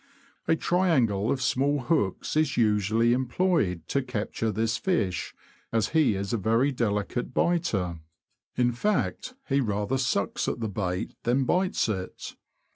A triangle of small hooks is usually employed to capture this fish, as he is a very delicate biter; in fact, he rather sucks at the bait than bites at it.